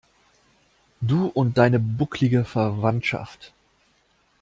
Du und deine bucklige Verwandschaft.